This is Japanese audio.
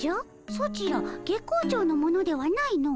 ソチら月光町の者ではないの。